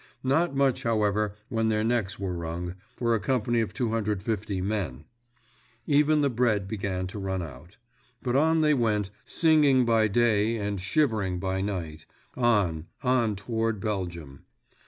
Not much, however, when their necks were wrung, for a company of 250 men. Even the bread began to run out. But on they went, singing by day and shivering by night—on, on toward Belgium.